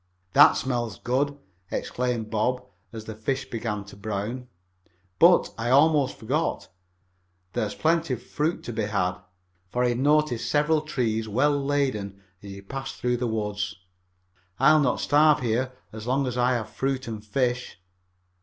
"That smells good!" exclaimed Bob, as the fish began to brown. "But, I almost forgot. There's plenty of fruit to be had." For he had noticed several trees well laden as he passed through the woods. "I'll not starve here as long as I have fruit and fish."